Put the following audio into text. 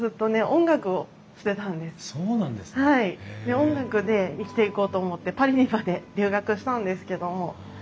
音楽で生きていこうと思ってパリにまで留学したんですけども。